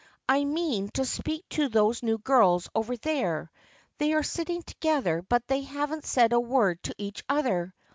I mean to speak to those new girls over there. They are sitting together but they haven't said a word to each other.